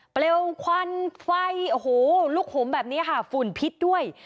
เปลวควันไฟโอ้โหลุกหมแบบนี้ค่ะฝุ่นพิษด้วย